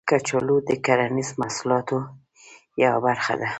کچالو د کرنیزو محصولاتو یوه برخه ده